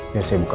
ya saya buka